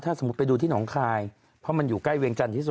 สมมุติไปดูที่หนองคายเพราะมันอยู่ใกล้เวียงจันทร์ที่สุด